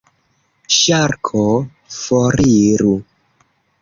Ŝarko: "Foriru."